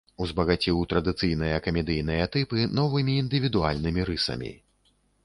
Узбагаціў традыцыйныя камедыйныя тыпы новымі, індывідуальнымі рысамі.